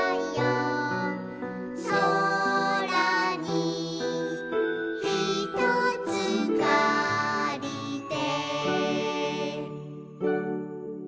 「そらにひとつかりて」